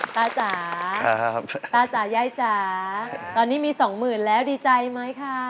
ตาจ๋าตาจ๋ายายจ๋าตอนนี้มีสองหมื่นแล้วดีใจไหมคะ